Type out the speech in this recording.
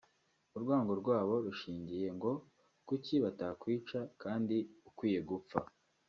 urwango rwabo rushingiye ngo kuki batakwica kandi ukwiye gupfa